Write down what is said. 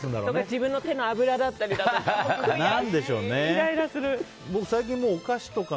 自分の手の脂だったりだとか。